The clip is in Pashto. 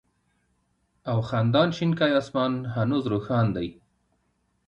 او خندان شينكى آسمان هنوز روښان دى